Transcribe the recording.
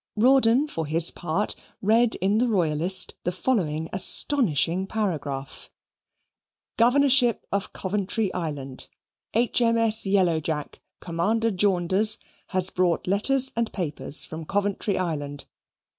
Rawdon, for his part, read in the Royalist the following astonishing paragraph: GOVERNORSHIP OF COVENTRY ISLAND. H.M.S. Yellowjack, Commander Jaunders, has brought letters and papers from Coventry Island.